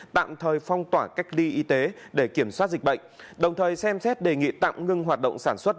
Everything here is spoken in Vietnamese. tạm thời phong tỏa cách ly y tế để kiểm soát dịch bệnh đồng thời xem xét đề nghị tạm ngưng hoạt động sản xuất